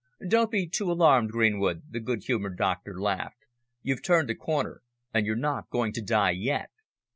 "Don't be too alarmed, Greenwood," the good humoured doctor laughed, "you've turned the corner, and you're not going to die yet.